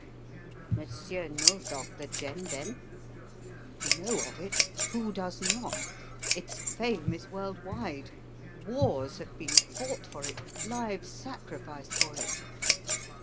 "Monsieur knows of the gem, then?" "Know of it? Who does not? Its fame is world wide. Wars have been fought for it, lives sacrificed for it.